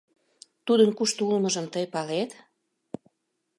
— Тудын кушто улмыжым тый палет?